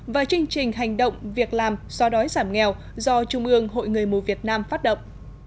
và chương trình hành động việc làm do đói giảm nghèo do trung ương hội người mù việt nam phát động